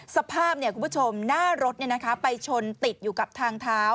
สภาพคุณผู้ชมหน้ารถไปชนติดอยู่กับทางเท้า